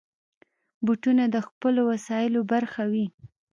بوټونه د خپلو وسایلو برخه وي.